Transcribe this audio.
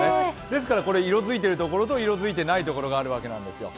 ですから色づいているところと色づいていないところがあるわけです。